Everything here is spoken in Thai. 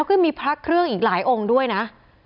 ก็มีพระเครื่องอีกหลายองค์ด้วยนะ